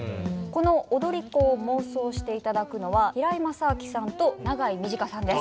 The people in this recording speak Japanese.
この「踊り子」を妄想して頂くのは平井まさあきさんと長井短さんです。